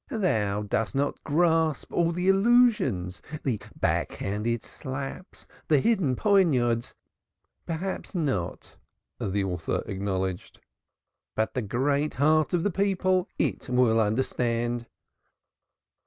"Thou dost not grasp all the allusions, the back handed slaps, the hidden poniards; perhaps not," the author acknowledged. "But the great heart of the people it will understand."